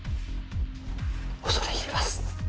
恐れ入ります。